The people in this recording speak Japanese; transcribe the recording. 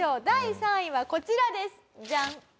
第３位はこちらです。